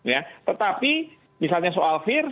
ya tetapi misalnya soal fear